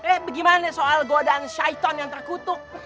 eh gimana soal godaan syaiton yang terkutuk